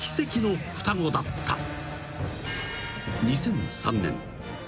［２００３年］